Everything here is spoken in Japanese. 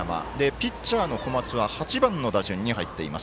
ピッチャーの小松は８番の打順に入っています。